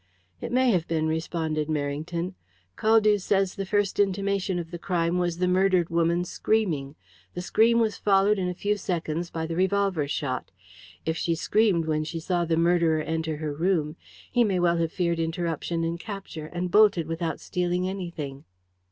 "It may have been," responded Merrington. "Caldew says the first intimation of the crime was the murdered woman screaming. The scream was followed in a few seconds by the revolver shot. If she screamed when she saw the murderer enter her room, he may well have feared interruption and capture, and bolted without stealing anything."